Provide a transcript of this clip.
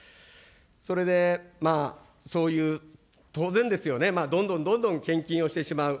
それでそういう当然ですよね、どんどんどんどん献金をしてしまう。